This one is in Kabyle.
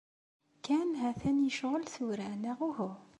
Ken ha-t-an yecɣel tura neɣ uhu?